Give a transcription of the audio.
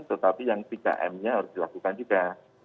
tetapi yang tiga m nya harus dilakukan juga